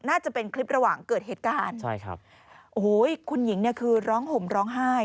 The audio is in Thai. น่าจะเป็นคลิประหว่างเกิดเหตุการณ์ใช่ครับโอ้โหคุณหญิงเนี่ยคือร้องห่มร้องไห้